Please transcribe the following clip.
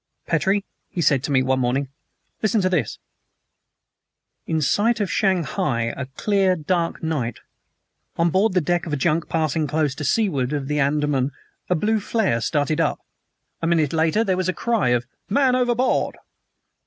"Petrie," he said to me one morning, "listen to this: "'... In sight of Shanghai a clear, dark night. On board the deck of a junk passing close to seaward of the Andaman a blue flare started up. A minute later there was a cry of "Man overboard!"